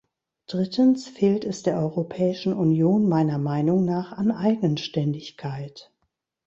Drittens fehlt es der Europäischen Union meiner Meinung nach an Eigenständigkeit.